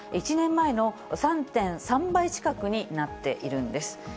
１年前の３．３倍近くになっているんです。